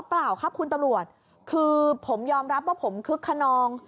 เปล่าครับคุณตำรวจคือผมยอมรับว่าผมคึกขนอง